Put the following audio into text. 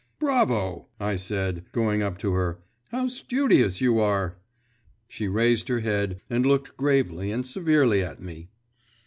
'Bravo!' I said, going up to her; 'how studious you are!' She raised her head, and looked gravely and severely at me.